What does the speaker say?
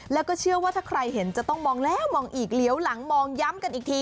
แล้วก็เชื่อว่าถ้าใครเห็นจะต้องมองแล้วมองอีกเหลียวหลังมองย้ำกันอีกที